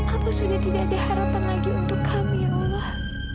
apa sudah tidak ada harapan lagi untuk kami allah